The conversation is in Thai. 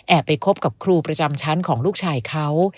ไปคบกับครูประจำชั้นของลูกชายเขา